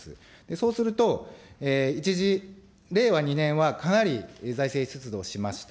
そうすると、令和２年はかなり財政出動しました。